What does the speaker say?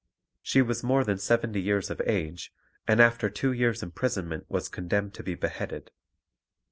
She was more than seventy years of age, and after two years' imprisonment was condemned to be beheaded.